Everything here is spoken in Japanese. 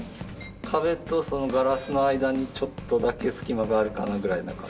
壁とそのガラスの間にちょっとだけ隙間があるかなぐらいな感じ。